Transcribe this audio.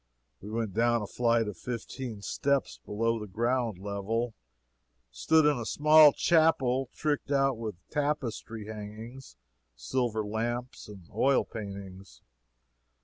We went down a flight of fifteen steps below the ground level, and stood in a small chapel tricked out with tapestry hangings, silver lamps, and oil paintings.